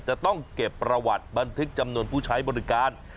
จะต้องเก็บประวัติบันทึกจำนวนผู้ใช้บริการ